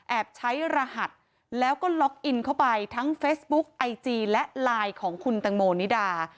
ใช้รหัสแล้วก็ล็อกอินเข้าไปทั้งเฟซบุ๊กไอจีและไลน์ของคุณตังโมนิดา